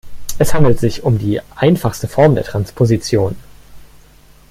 Es handelt sich um die einfachste Form der Transposition.